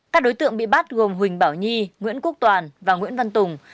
các đối tượng bị bắt gồm huỳnh bảo nhi nguyễn quốc toàn và nguyễn văn tùng